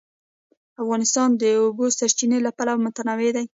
افغانستان د د اوبو سرچینې له پلوه متنوع دی.